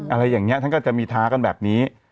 อะไรอย่างนี้ท่านก็จะมีท้ากันแบบนี้